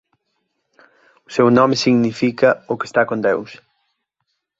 O seu nome significa "O que está con Deus".